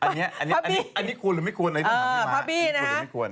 นี่นี่อันนี้ควรหรือไม่ควร